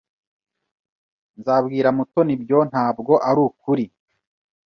Nzabwira Mutoni ibyo ntabwo arukuri.